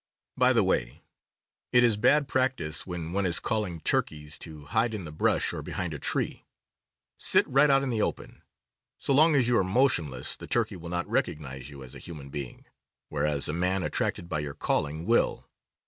By the way, it is bad practice when one is calling turkeys to hide in the brush or behind a tree. Sit right out in the open. So long as you are motionless the turkey will not recognize you as a human being, whereas a man attracted by your calling will.